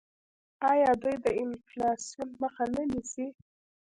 آیا دوی د انفلاسیون مخه نه نیسي؟